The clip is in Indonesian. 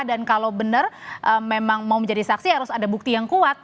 dan kalau benar memang mau menjadi saksi harus ada bukti yang kuat